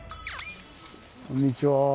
こんにちは。